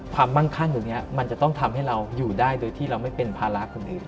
มั่งคั่งตรงนี้มันจะต้องทำให้เราอยู่ได้โดยที่เราไม่เป็นภาระคนอื่น